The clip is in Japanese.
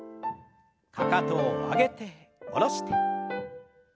かかとを上げて下ろして。